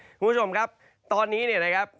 คุณผู้ชมครับตอนนี้เนี่ยนะครับ